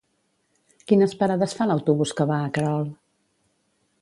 Quines parades fa l'autobús que va a Querol?